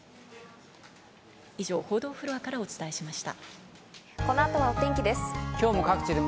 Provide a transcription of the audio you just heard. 以上、報道フロアからお伝えしました。